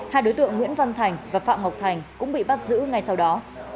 hai đối tượng nguyễn văn thành và phạm ngọc thành cũng bị bắt giữ ngay sau đó